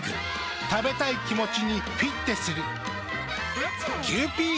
食べたい気持ちにフィッテする。